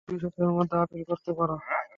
তুমি দুই সপ্তাহের মধ্যে আপিল করতে পারো।